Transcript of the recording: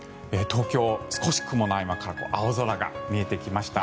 東京、少し雲の合間から青空が見えてきました。